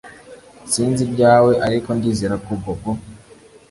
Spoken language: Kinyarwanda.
Sinzi ibyawe ariko ndizera ko Bobo